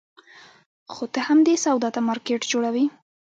خو ته همدې سودا ته مارکېټ جوړوې.